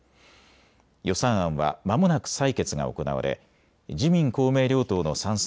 予算案はまもなく採決が行われ自民公明両党の賛成